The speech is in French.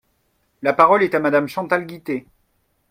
La parole est à Madame Chantal Guittet.